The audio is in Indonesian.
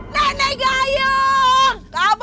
nenek gayung kabur